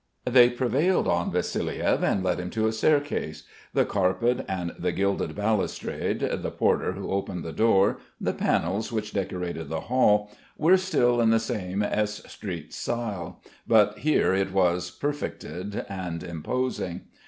They prevailed on Vassiliev and led him up a staircase. The carpet and the gilded balustrade, the porter who opened the door, the panels which decorated the hall, were still in the same S v Street style, but here it was perfected and imposing.